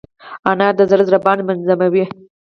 انار د زړه ضربان منظموي.